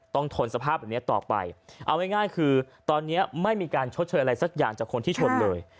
ทนสภาพแบบนี้ต่อไปเอาง่ายคือตอนนี้ไม่มีการชดเชยอะไรสักอย่างจากคนที่ชนเลย